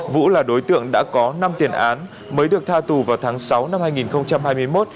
vũ là đối tượng đã có năm tiền án mới được tha tù vào tháng sáu năm hai nghìn hai mươi một